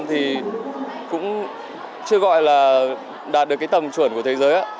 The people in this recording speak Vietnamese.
thì cũng chưa gọi là đạt được cái tầm chuẩn của thế giới